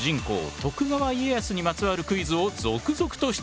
徳川家康にまつわるクイズを続々と出題。